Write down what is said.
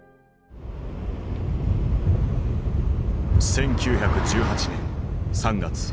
１９１８年３月。